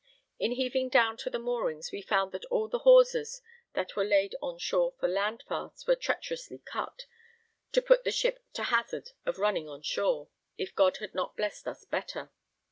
In heaving down to the moorings we found that all the hawsers that were laid on shore for land fasts were treacherously cut, to put the ship to hazard of running on shore, if God had not blessed us better.